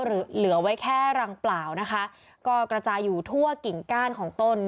เหลือเหลือไว้แค่รังเปล่านะคะก็กระจายอยู่ทั่วกิ่งก้านของต้น